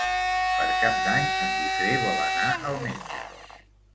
Per Cap d'Any en Guifré vol anar al metge.